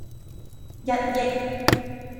一億